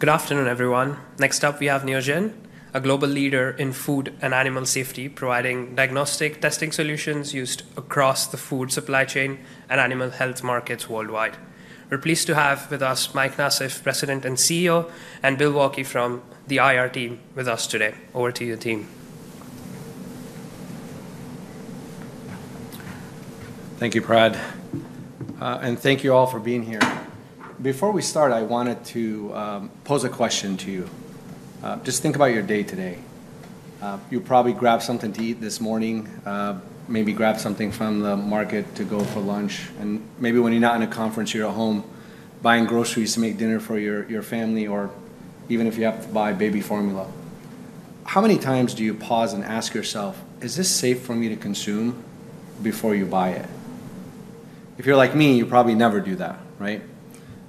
Good afternoon, everyone. Next up, we have Neogen, a global leader in food and animal safety, providing diagnostic testing solutions used across the food supply chain and animal health markets worldwide. We're pleased to have with us Mike Nasif, President and CEO, and Bill Waelke from the IR team with us today. Over to you, team. Thank you, Prad, and thank you all for being here. Before we start, I wanted to pose a question to you. Just think about your day today. You probably grabbed something to eat this morning, maybe grabbed something from the market to go for lunch, and maybe when you're not in a conference, you're at home buying groceries to make dinner for your family, or even if you have to buy baby formula. How many times do you pause and ask yourself, "Is this safe for me to consume?" before you buy it? If you're like me, you probably never do that, right?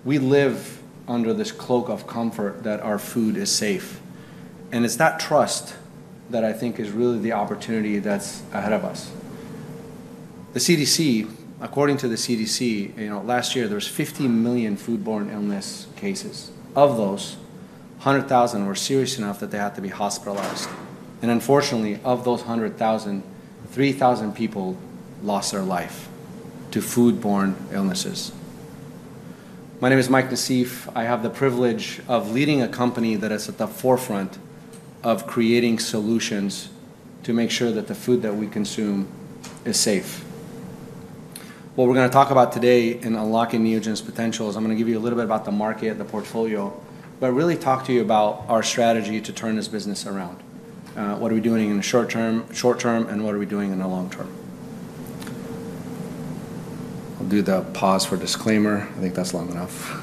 We live under this cloak of comfort that our food is safe, and it's that trust that I think is really the opportunity that's ahead of us. The CDC, according to the CDC, last year there were 50 million foodborne illness cases. Of those, 100,000 were serious enough that they had to be hospitalized, and unfortunately, of those 100,000, 3,000 people lost their life to foodborne illnesses. My name is Mike Nasif. I have the privilege of leading a company that is at the forefront of creating solutions to make sure that the food that we consume is safe. What we're going to talk about today in unlocking Neogen's potential is I'm going to give you a little bit about the market, the portfolio, but really talk to you about our strategy to turn this business around. What are we doing in the short term, and what are we doing in the long term? I'll do the pause for disclaimer. I think that's long enough,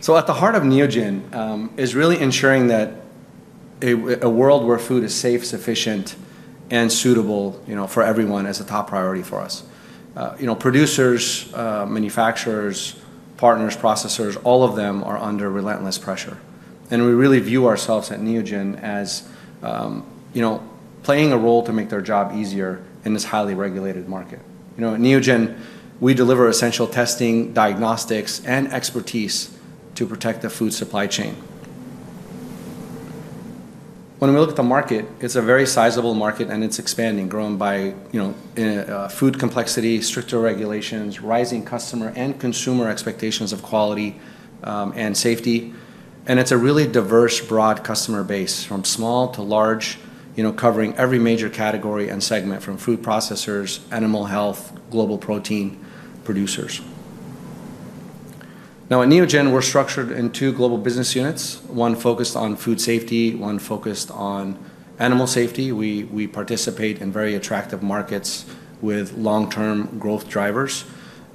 so at the heart of Neogen is really ensuring that a world where food is safe, sufficient, and suitable for everyone is a top priority for us. Producers, manufacturers, partners, processors, all of them are under relentless pressure. And we really view ourselves at Neogen as playing a role to make their job easier in this highly regulated market. At Neogen, we deliver essential testing, diagnostics, and expertise to protect the food supply chain. When we look at the market, it's a very sizable market, and it's expanding, grown by food complexity, stricter regulations, rising customer and consumer expectations of quality and safety. And it's a really diverse, broad customer base, from small to large, covering every major category and segment, from food processors, animal health, global protein producers. Now, at Neogen, we're structured in two global business units, one focused on food safety, one focused on animal safety. We participate in very attractive markets with long-term growth drivers.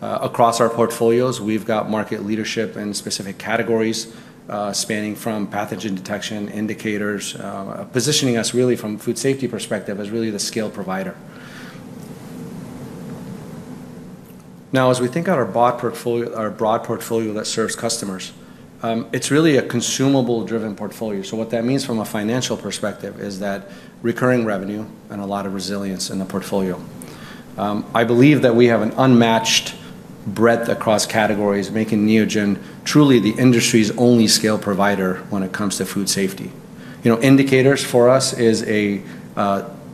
Across our portfolios, we've got market leadership in specific categories spanning from pathogen detection indicators, positioning us really from a food safety perspective as really the scale provider. Now, as we think about our broad portfolio that serves customers, it's really a consumable-driven portfolio. So what that means from a financial perspective is that recurring revenue and a lot of resilience in the portfolio. I believe that we have an unmatched breadth across categories, making Neogen truly the industry's only scale provider when it comes to food safety. Indicators for us is a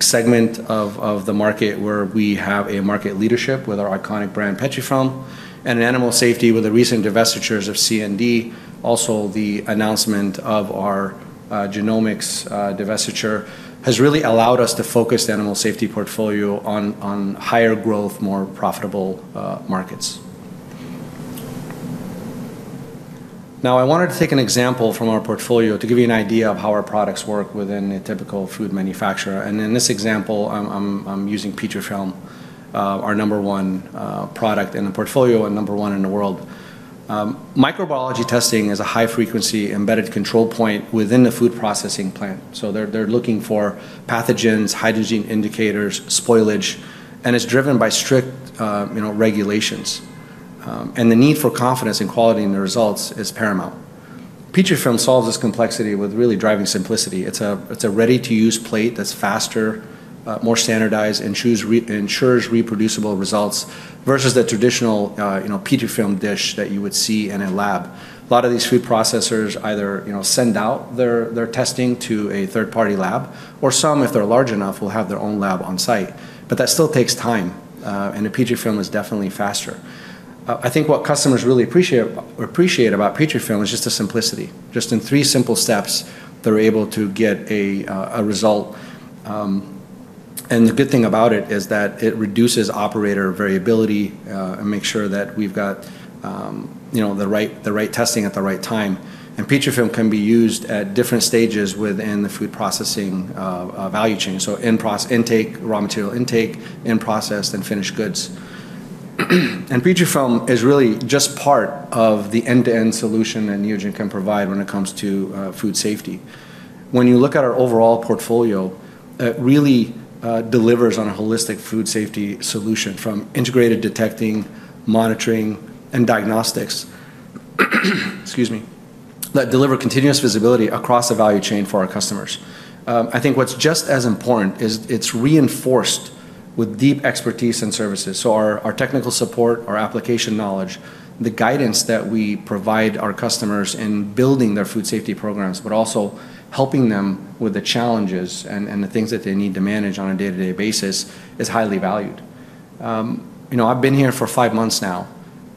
segment of the market where we have a market leadership with our iconic brand, Petrifilm, and animal safety with the recent divestitures of C&D. Also, the announcement of our genomics divestiture has really allowed us to focus the animal safety portfolio on higher growth, more profitable markets. Now, I wanted to take an example from our portfolio to give you an idea of how our products work within a typical food manufacturer, and in this example, I'm using Petrifilm, our number one product in the portfolio and number one in the world. Microbiology testing is a high-frequency embedded control point within the food processing plant, so they're looking for pathogens, hygiene indicators, spoilage, and it's driven by strict regulations, and the need for confidence in quality and the results is paramount. Petrifilm solves this complexity with really driving simplicity. It's a ready-to-use plate that's faster, more standardized, and ensures reproducible results versus the traditional petri dish that you would see in a lab. A lot of these food processors either send out their testing to a third-party lab, or some, if they're large enough, will have their own lab on site. But that still takes time, and a Petrifilm is definitely faster. I think what customers really appreciate about Petrifilm is just the simplicity. Just in three simple steps, they're able to get a result. And the good thing about it is that it reduces operator variability and makes sure that we've got the right testing at the right time. And Petrifilm can be used at different stages within the food processing value chain, so intake, raw material intake, end process, and finished goods. And Petrifilm is really just part of the end-to-end solution that Neogen can provide when it comes to food safety. When you look at our overall portfolio, it really delivers on a holistic food safety solution from integrated detecting, monitoring, and diagnostics that deliver continuous visibility across the value chain for our customers. I think what's just as important is it's reinforced with deep expertise and services. Our technical support, our application knowledge, the guidance that we provide our customers in building their food safety programs, but also helping them with the challenges and the things that they need to manage on a day-to-day basis is highly valued. I've been here for five months now,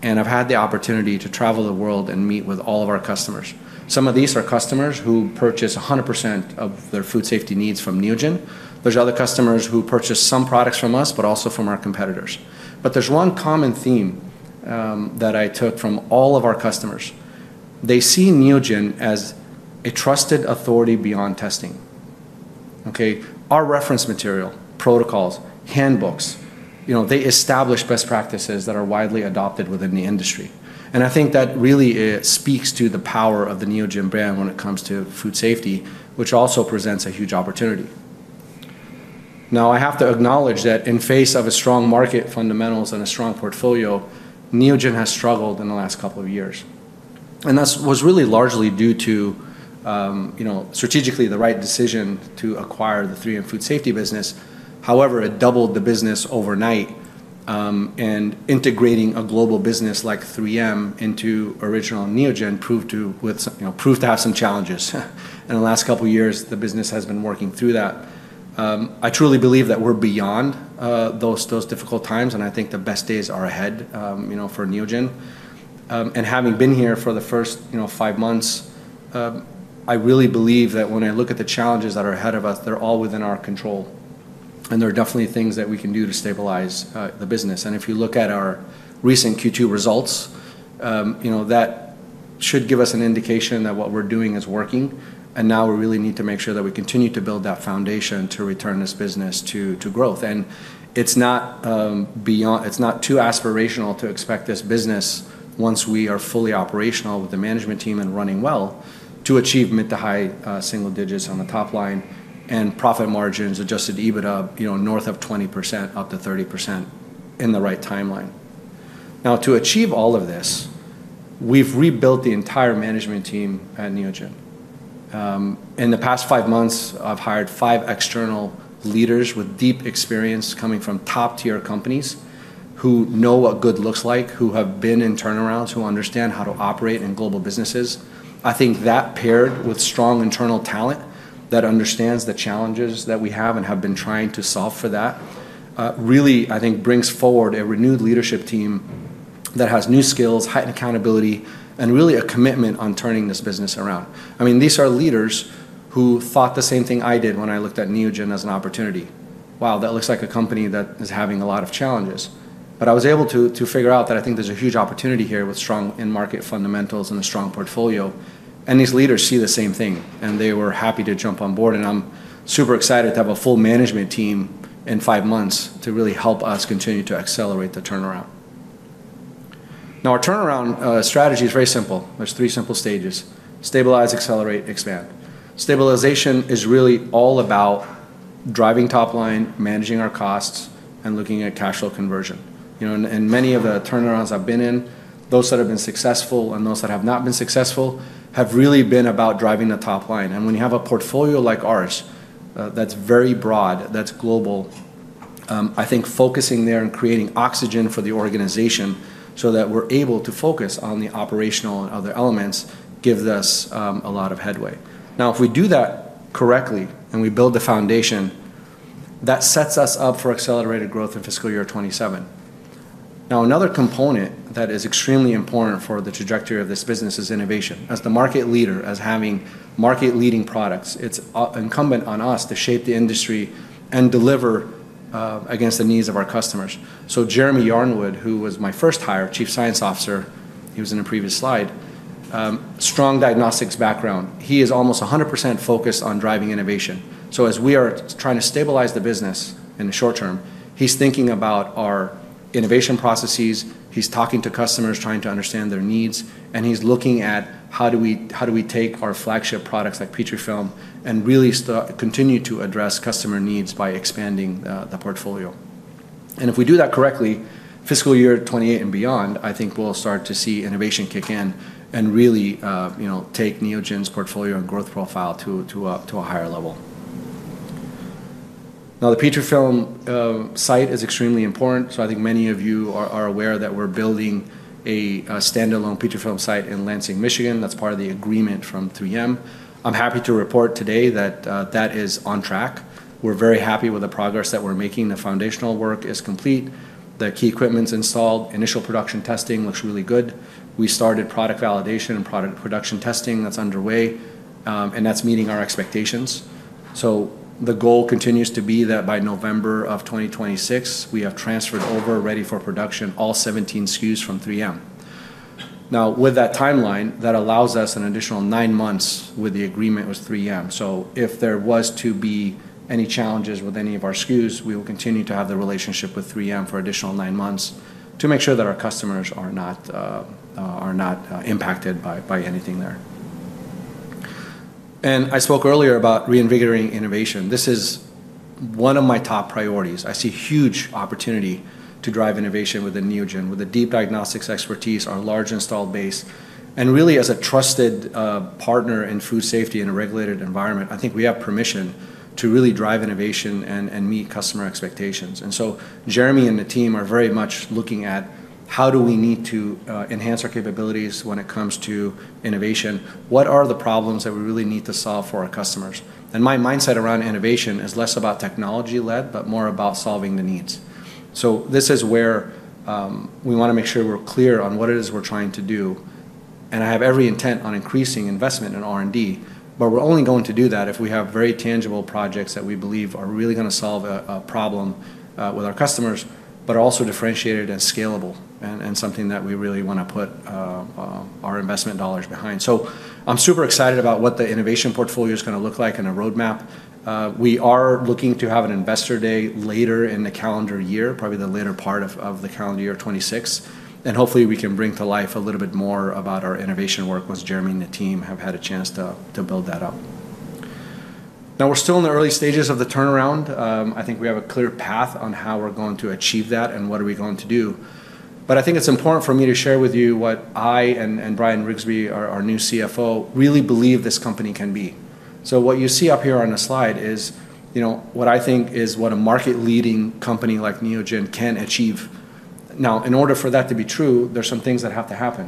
and I've had the opportunity to travel the world and meet with all of our customers. Some of these are customers who purchase 100% of their food safety needs from Neogen. There's other customers who purchase some products from us, but also from our competitors. But there's one common theme that I took from all of our customers. They see Neogen as a trusted authority beyond testing. Our reference material, protocols, handbooks, they establish best practices that are widely adopted within the industry. I think that really speaks to the power of the Neogen brand when it comes to food safety, which also presents a huge opportunity. Now, I have to acknowledge that in face of a strong market, fundamentals, and a strong portfolio, Neogen has struggled in the last couple of years. That was really largely due to, strategically, the right decision to acquire the 3M Food Safety business. However, it doubled the business overnight. Integrating a global business like 3M into original Neogen proved to have some challenges. In the last couple of years, the business has been working through that. I truly believe that we're beyond those difficult times, and I think the best days are ahead for Neogen. And having been here for the first five months, I really believe that when I look at the challenges that are ahead of us, they're all within our control. And there are definitely things that we can do to stabilize the business. And if you look at our recent Q2 results, that should give us an indication that what we're doing is working. And now we really need to make sure that we continue to build that foundation to return this business to growth. And it's not too aspirational to expect this business, once we are fully operational with the management team and running well, to achieve mid to high single digits on the top line and profit margins adjusted EBITDA north of 20%, up to 30% in the right timeline. Now, to achieve all of this, we've rebuilt the entire management team at Neogen. In the past five months, I've hired five external leaders with deep experience coming from top-tier companies who know what good looks like, who have been in turnarounds, who understand how to operate in global businesses. I think that paired with strong internal talent that understands the challenges that we have and have been trying to solve for that really, I think, brings forward a renewed leadership team that has new skills, heightened accountability, and really a commitment on turning this business around. I mean, these are leaders who thought the same thing I did when I looked at Neogen as an opportunity. Wow, that looks like a company that is having a lot of challenges. But I was able to figure out that I think there's a huge opportunity here with strong in-market fundamentals and a strong portfolio. These leaders see the same thing, and they were happy to jump on board. I'm super excited to have a full management team in five months to really help us continue to accelerate the turnaround. Now, our turnaround strategy is very simple. There's three simple stages: stabilize, accelerate, expand. Stabilization is really all about driving top line, managing our costs, and looking at cash flow conversion. In many of the turnarounds I've been in, those that have been successful and those that have not been successful have really been about driving the top line. When you have a portfolio like ours that's very broad, that's global, I think focusing there and creating oxygen for the organization so that we're able to focus on the operational and other elements gives us a lot of headway. Now, if we do that correctly and we build the foundation, that sets us up for accelerated growth in fiscal year 2027. Now, another component that is extremely important for the trajectory of this business is innovation. As the market leader, as having market-leading products, it's incumbent on us to shape the industry and deliver against the needs of our customers. So Jeremy Yarwood, who was my first hire, Chief Science Officer, he was in a previous slide, strong diagnostics background. He is almost 100% focused on driving innovation. So as we are trying to stabilize the business in the short term, he's thinking about our innovation processes. He's talking to customers, trying to understand their needs, and he's looking at how do we take our flagship products like Petrifilm and really continue to address customer needs by expanding the portfolio. If we do that correctly, fiscal year 2028 and beyond, I think we'll start to see innovation kick in and really take Neogen's portfolio and growth profile to a higher level. Now, the Petrifilm site is extremely important. So I think many of you are aware that we're building a standalone Petrifilm site in Lansing, Michigan. That's part of the agreement from 3M. I'm happy to report today that that is on track. We're very happy with the progress that we're making. The foundational work is complete. The key equipment's installed. Initial production testing looks really good. We started product validation and product production testing that's underway, and that's meeting our expectations. So the goal continues to be that by November of 2026, we have transferred over, ready for production, all 17 SKUs from 3M. Now, with that timeline, that allows us an additional nine months with the agreement with 3M, so if there was to be any challenges with any of our SKUs, we will continue to have the relationship with 3M for an additional nine months to make sure that our customers are not impacted by anything there. I spoke earlier about reinvigorating innovation. This is one of my top priorities. I see huge opportunity to drive innovation within Neogen, with the deep diagnostics expertise, our large installed base, and really, as a trusted partner in food safety in a regulated environment, I think we have permission to really drive innovation and meet customer expectations. Jeremy and the team are very much looking at how do we need to enhance our capabilities when it comes to innovation. What are the problems that we really need to solve for our customers? And my mindset around innovation is less about technology-led, but more about solving the needs. So this is where we want to make sure we're clear on what it is we're trying to do. And I have every intent on increasing investment in R&D, but we're only going to do that if we have very tangible projects that we believe are really going to solve a problem with our customers, but are also differentiated and scalable and something that we really want to put our investment dollars behind. So I'm super excited about what the innovation portfolio is going to look like and a roadmap. We are looking to have an investor day later in the calendar year, probably the later part of the calendar year 2026. And hopefully, we can bring to life a little bit more about our innovation work once Jeremy and the team have had a chance to build that up. Now, we're still in the early stages of the turnaround. I think we have a clear path on how we're going to achieve that and what are we going to do. But I think it's important for me to share with you what I and Brian Rigsby, our new CFO, really believe this company can be. So what you see up here on the slide is what I think is what a market-leading company like Neogen can achieve. Now, in order for that to be true, there are some things that have to happen.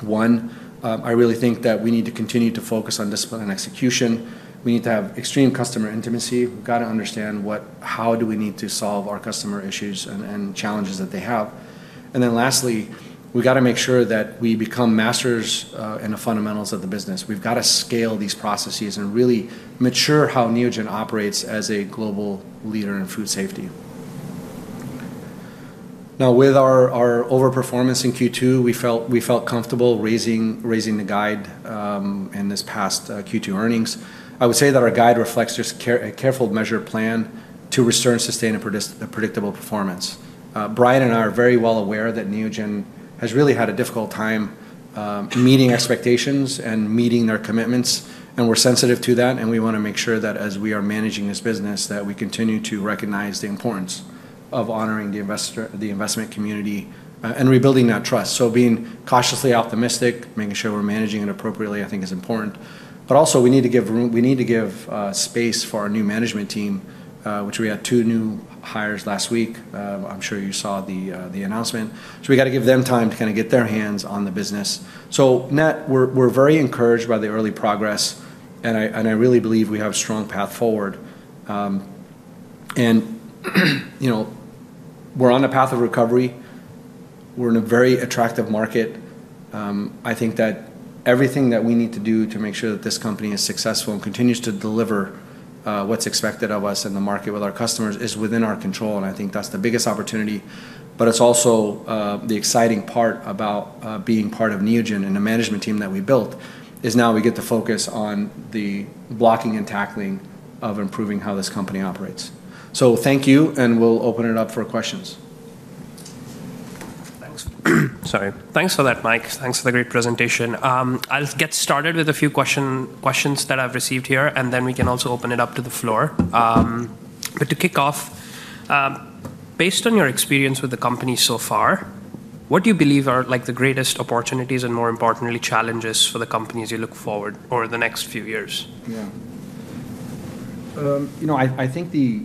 One, I really think that we need to continue to focus on discipline and execution. We need to have extreme customer intimacy. We've got to understand how do we need to solve our customer issues and challenges that they have, and then lastly, we've got to make sure that we become masters in the fundamentals of the business. We've got to scale these processes and really mature how Neogen operates as a global leader in food safety. Now, with our overperformance in Q2, we felt comfortable raising the guide in this past Q2 earnings. I would say that our guide reflects just a careful measured plan to restore and sustain a predictable performance. Brian and I are very well aware that Neogen has really had a difficult time meeting expectations and meeting their commitments, and we're sensitive to that, and we want to make sure that as we are managing this business, that we continue to recognize the importance of honoring the investment community and rebuilding that trust. Being cautiously optimistic, making sure we're managing it appropriately, I think is important. Also, we need to give room. We need to give space for our new management team, which we had two new hires last week. I'm sure you saw the announcement. We got to give them time to kind of get their hands on the business. We're very encouraged by the early progress, and I really believe we have a strong path forward. We're on a path of recovery. We're in a very attractive market. I think that everything that we need to do to make sure that this company is successful and continues to deliver what's expected of us and the market with our customers is within our control. I think that's the biggest opportunity. But it's also the exciting part about being part of Neogen and the management team that we built is now we get to focus on the blocking and tackling of improving how this company operates. So thank you, and we'll open it up for questions. Thanks. Sorry. Thanks for that, Mike. Thanks for the great presentation. I'll get started with a few questions that I've received here, and then we can also open it up to the floor. But to kick off, based on your experience with the company so far, what do you believe are the greatest opportunities and, more importantly, challenges for the companies you look forward over the next few years? Yeah. I think the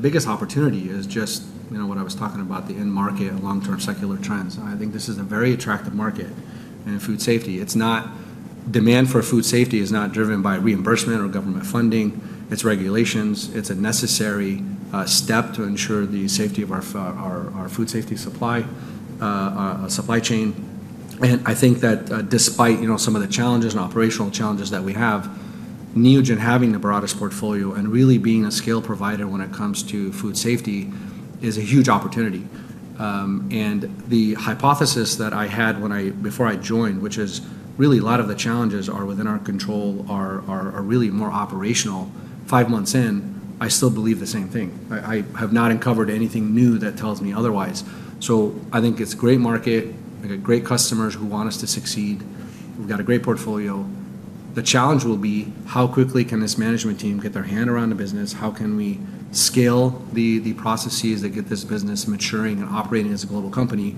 biggest opportunity is just what I was talking about, the in-market, long-term secular trends. I think this is a very attractive market in food safety. Demand for food safety is not driven by reimbursement or government funding. It's regulations. It's a necessary step to ensure the safety of our food safety supply chain, and I think that despite some of the challenges and operational challenges that we have, Neogen having the broadest portfolio and really being a scale provider when it comes to food safety is a huge opportunity, and the hypothesis that I had before I joined, which is really a lot of the challenges are within our control, are really more operational. Five months in, I still believe the same thing. I have not uncovered anything new that tells me otherwise. So I think it's a great market, we've got great customers who want us to succeed. We've got a great portfolio. The challenge will be how quickly can this management team get their hand around the business? How can we scale the processes that get this business maturing and operating as a global company?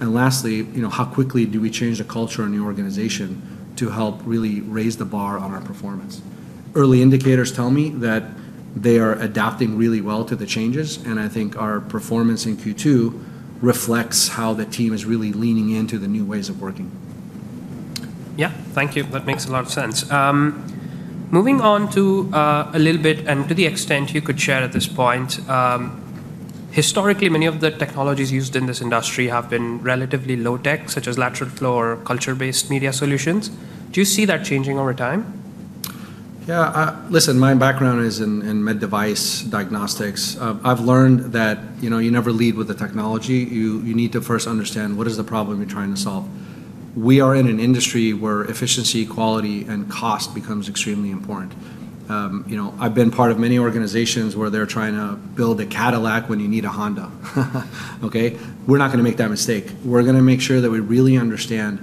And lastly, how quickly do we change the culture in the organization to help really raise the bar on our performance? Early indicators tell me that they are adapting really well to the changes, and I think our performance in Q2 reflects how the team is really leaning into the new ways of working. Yeah. Thank you. That makes a lot of sense. Moving on to a little bit and to the extent you could share at this point, historically, many of the technologies used in this industry have been relatively low-tech, such as lateral flow or culture-based media solutions. Do you see that changing over time? Yeah. Listen, my background is in med device diagnostics. I've learned that you never lead with the technology. You need to first understand what is the problem you're trying to solve. We are in an industry where efficiency, quality, and cost becomes extremely important. I've been part of many organizations where they're trying to build a Cadillac when you need a Honda. Okay? We're not going to make that mistake. We're going to make sure that we really understand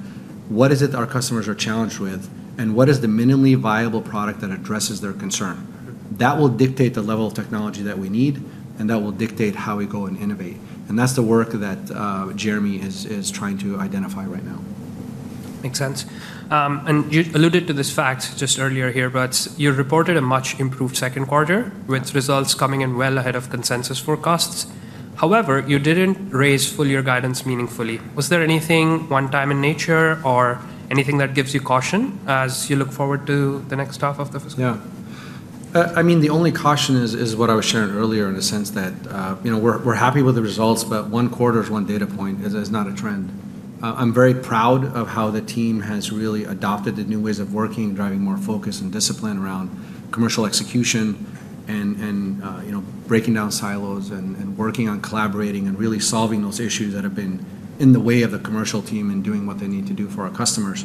what is it that our customers are challenged with and what is the minimally viable product that addresses their concern. That will dictate the level of technology that we need, and that will dictate how we go and innovate, and that's the work that Jeremy is trying to identify right now. Makes sense. And you alluded to this fact just earlier here, but you reported a much improved second quarter with results coming in well ahead of consensus forecasts. However, you didn't raise your full guidance meaningfully. Was there anything one-time in nature or anything that gives you caution as you look forward to the next half of the fiscal year? Yeah. I mean, the only caution is what I was sharing earlier in a sense that we're happy with the results, but one quarter is one data point. It's not a trend. I'm very proud of how the team has really adopted the new ways of working, driving more focus and discipline around commercial execution and breaking down silos and working on collaborating and really solving those issues that have been in the way of the commercial team and doing what they need to do for our customers.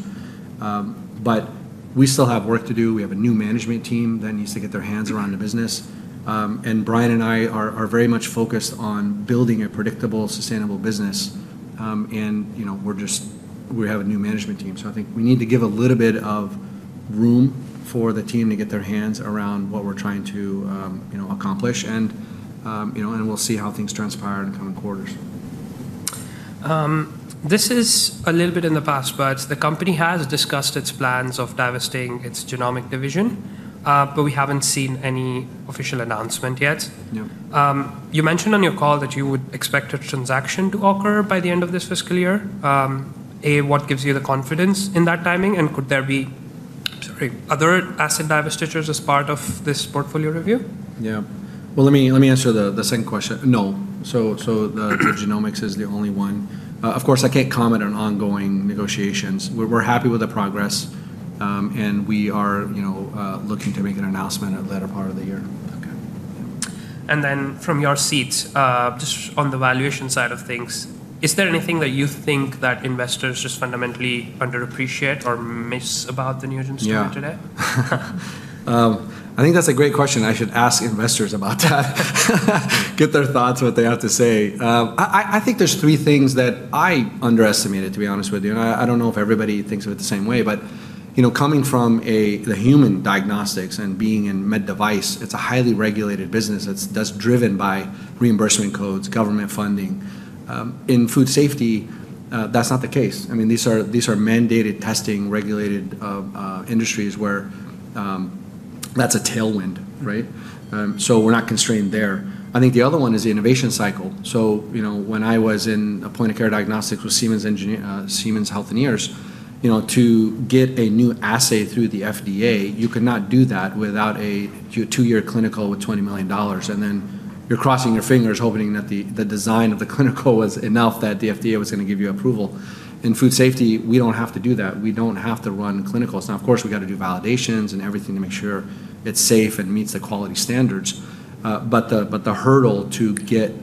But we still have work to do. We have a new management team that needs to get their hands around the business. And Brian and I are very much focused on building a predictable, sustainable business. And we have a new management team. So I think we need to give a little bit of room for the team to get their hands around what we're trying to accomplish. And we'll see how things transpire in the coming quarters. This is a little bit in the past, but the company has discussed its plans of divesting its genomic division, but we haven't seen any official announcement yet. You mentioned on your call that you would expect a transaction to occur by the end of this fiscal year. And, what gives you the confidence in that timing? And could there be other asset divestitures as part of this portfolio review? Yeah. Well, let me answer the second question. No. So the genomics is the only one. Of course, I can't comment on ongoing negotiations. We're happy with the progress, and we are looking to make an announcement at a later part of the year. Okay, and then from your seat, just on the valuation side of things, is there anything that you think that investors just fundamentally underappreciate or miss about the Neogen story today? Yeah. I think that's a great question. I should ask investors about that, get their thoughts, what they have to say. I think there's three things that I underestimated, to be honest with you. And I don't know if everybody thinks of it the same way, but coming from the human diagnostics and being in med device, it's a highly regulated business that's driven by reimbursement codes, government funding. In food safety, that's not the case. I mean, these are mandated testing, regulated industries where that's a tailwind, right? So we're not constrained there. I think the other one is the innovation cycle. So when I was in a point of care diagnostics with Siemens Healthineers, to get a new assay through the FDA, you could not do that without a two-year clinical with $20 million. And then you're crossing your fingers hoping that the design of the clinical was enough that the FDA was going to give you approval. In food safety, we don't have to do that. We don't have to run clinicals. Now, of course, we got to do validations and everything to make sure it's safe and meets the quality standards. But the hurdle to get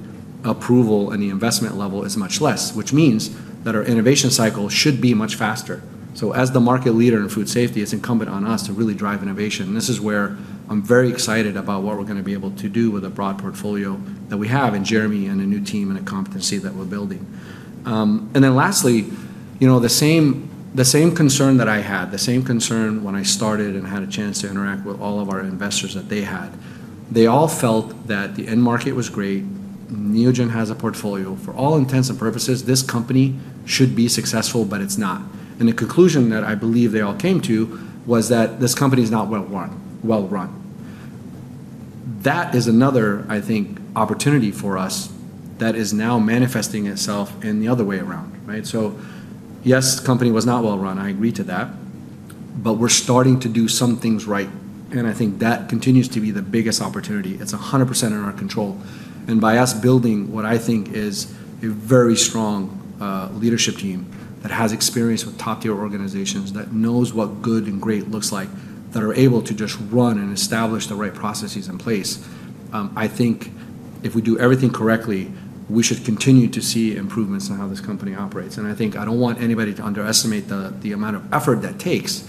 approval and the investment level is much less, which means that our innovation cycle should be much faster. So as the market leader in food safety, it's incumbent on us to really drive innovation. And this is where I'm very excited about what we're going to be able to do with a broad portfolio that we have and Jeremy and a new team and a competency that we're building. And then lastly, the same concern that I had, the same concern when I started and had a chance to interact with all of our investors that they had. They all felt that the end market was great. Neogen has a portfolio. For all intents and purposes, this company should be successful, but it's not. And the conclusion that I believe they all came to was that this company is not well-run. That is another, I think, opportunity for us that is now manifesting itself in the other way around, right? So yes, the company was not well-run. I agree to that. But we're starting to do some things right. And I think that continues to be the biggest opportunity. It's 100% in our control. And by us building what I think is a very strong leadership team that has experience with top-tier organizations, that knows what good and great looks like, that are able to just run and establish the right processes in place, I think if we do everything correctly, we should continue to see improvements in how this company operates. And I think I don't want anybody to underestimate the amount of effort that takes.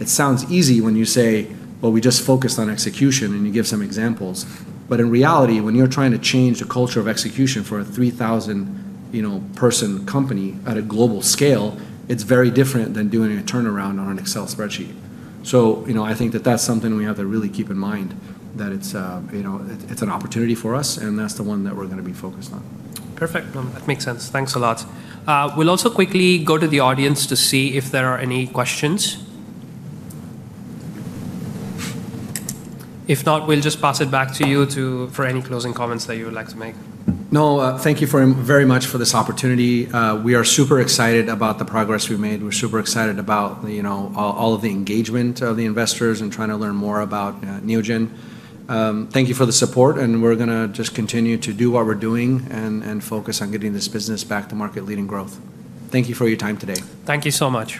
It sounds easy when you say, "Well, we just focused on execution," and you give some examples. But in reality, when you're trying to change the culture of execution for a 3,000-person company at a global scale, it's very different than doing a turnaround on an Excel spreadsheet. So I think that that's something we have to really keep in mind, that it's an opportunity for us, and that's the one that we're going to be focused on. Perfect. That makes sense. Thanks a lot. We'll also quickly go to the audience to see if there are any questions. If not, we'll just pass it back to you for any closing comments that you would like to make. No, thank you very much for this opportunity. We are super excited about the progress we've made. We're super excited about all of the engagement of the investors and trying to learn more about Neogen. Thank you for the support, and we're going to just continue to do what we're doing and focus on getting this business back to market-leading growth. Thank you for your time today. Thank you so much.